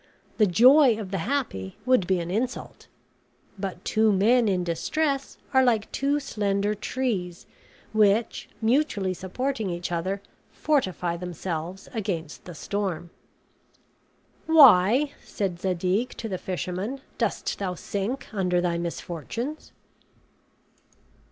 The joy of the happy would be an insult; but two men in distress are like two slender trees, which, mutually supporting each other, fortify themselves against the storm. "Why," said Zadig to the fisherman, "dost thou sink under thy misfortunes?"